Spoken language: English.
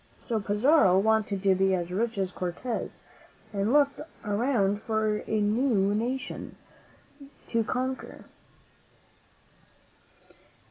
So Pizarro wanted to be as rich as Cortez, and he looked around for a new nation to conquer.